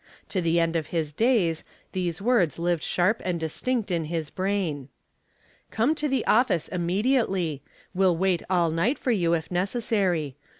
To the end of his days these words lived sharp and distinct in his brain. "Come to the office immediately. Will wait all night for you if necessary.